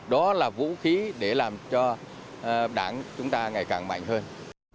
đó là vũ khí để làm cho đảng chúng ta ngày càng mạnh hơn